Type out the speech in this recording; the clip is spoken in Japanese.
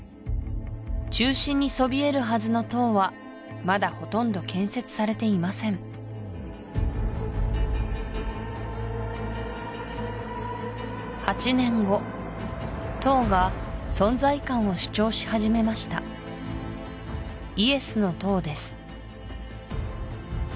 中心にそびえるはずの塔はまだほとんど建設されていません８年後塔が存在感を主張し始めましたイエスの塔です